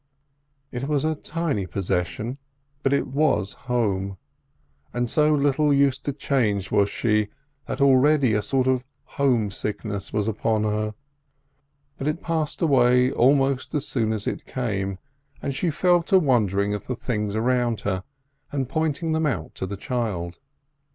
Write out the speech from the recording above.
It was a tiny possession, but it was home; and so little used to change was she that already a sort of home sickness was upon her; but it passed away almost as soon as it came, and she fell to wondering at the things around her, and pointing them out to the child.